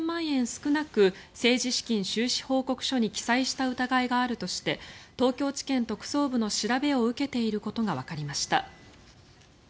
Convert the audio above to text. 少なく政治資金収支報告書に記載した疑いがあるとして東京地検特捜部の調べを受けていることがわかりました。